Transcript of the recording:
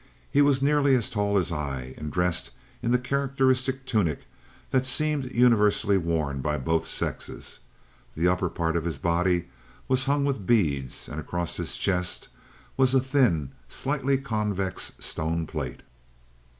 He was nearly as tall as I, and dressed in the characteristic tunic that seemed universally worn by both sexes. The upper part of his body was hung with beads, and across his chest was a thin, slightly convex stone plate.